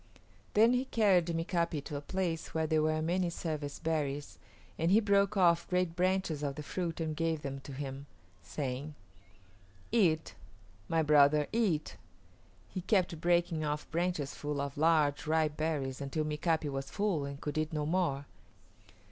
Then he carried Mika´pi to a place where there were many service berries, and he broke off great branches of the fruit and gave them to him, saying, "Eat; my brother, eat." He kept breaking off branches full of large, ripe berries until Mika´pi was full and could eat no more.